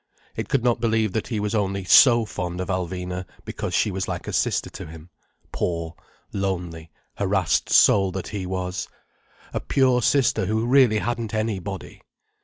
It could not believe that he was only so fond of Alvina because she was like a sister to him, poor, lonely, harassed soul that he was: a pure sister who really hadn't any body.